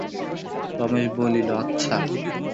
রমেশ বলিল, আচ্ছা।